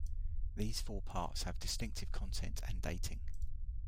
These four parts have distinctive content and dating.